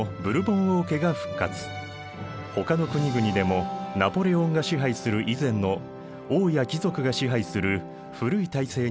ほかの国々でもナポレオンが支配する以前の王や貴族が支配する古い体制に戻った。